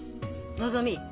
のぞみ。